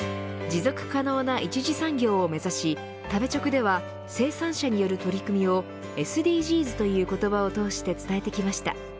持続可能な一次産業を目指し食べチョクでは生産者による取り組みをＳＤＧｓという言葉をとおして伝えてきました。